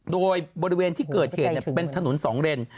โดยบริเวณที่เกิดเหตุเป็นถนน๒เลน